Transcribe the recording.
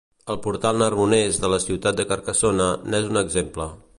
El portal Narbonés de la ciutat de Carcassona n'és un exemple.